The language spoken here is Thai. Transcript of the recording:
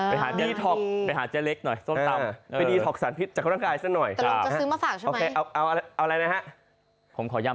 ไปหาเจอเล็กหน่อยโซนตำ